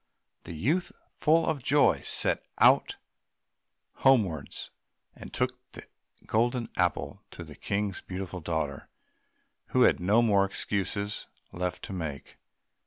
The youth, full of joy, set out homewards, and took the Golden Apple to the King's beautiful daughter, who had no more excuses left to make.